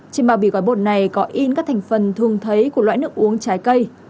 trên bao bì gói bột này có in các thành phần thường thấy của loại nước uống trái cây